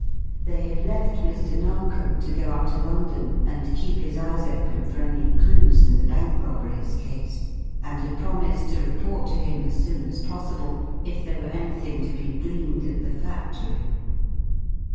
They had left Mr. Narkom to go up to London and keep his eyes open for any clues in the bank robberies case, and had promised to report to him as soon as possible, if there were anything to be gleaned at the factory.